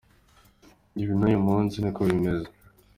Ibi n’uyu munsi ni ko bimeze.